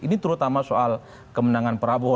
ini terutama soal kemenangan prabowo